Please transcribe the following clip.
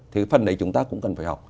thì phần đấy chúng ta cũng cần phải học